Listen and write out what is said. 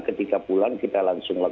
ketika pulang kita langsung ke rumah